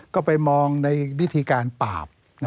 ก็ไปมองในวิธีการปราบ